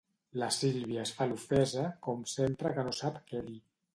La Sílvia es fa l'ofesa, com sempre que no sap què dir.